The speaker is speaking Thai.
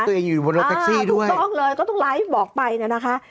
ตัวเองอยู่บนรถแท็กซี่ด้วยถูกต้องเลยก็ต้องไลฟ์บอกไปเนี่ยนะคะ